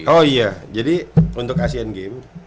oh iya jadi untuk asean games